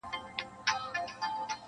ډېر ناوخته کارګه پوه سو غولېدلی-